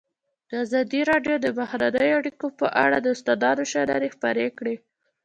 ازادي راډیو د بهرنۍ اړیکې په اړه د استادانو شننې خپرې کړي.